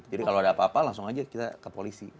jadi kalau ada apa apa langsung aja kita ke polisi